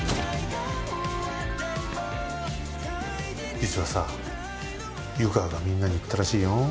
実はさ湯川がみんなに言ったらしいよ。